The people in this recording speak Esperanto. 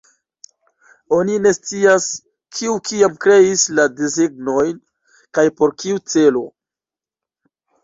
Oni ne scias, kiu kiam kreis la desegnojn kaj por kiu celo.